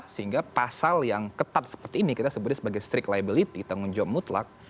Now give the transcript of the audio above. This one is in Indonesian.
sehingga pasal yang ketat seperti ini kita sebutnya sebagai strict liability tanggung jawab mutlak